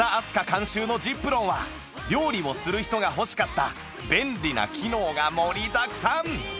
監修の ｚｉｐｒｏｎ は料理をする人が欲しかった便利な機能が盛りだくさん！